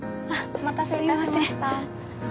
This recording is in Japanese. お待たせいたしました